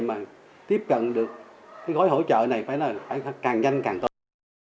mà tiếp cận được cái gói hỗ trợ này phải là càng nhanh càng tốt